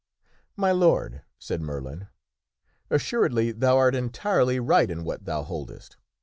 " My Lord," said Merlin, " assuredly thou art entirely right in what thou holdest.